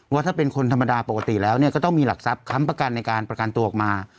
ว่าถ้าเป็นคนธรรมดาปกติแล้วก็ต้องมีหลักทรัพย์ค้ำประกันในการประกันตัวออกมา